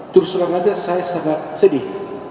terus selama ini saya sangat sedih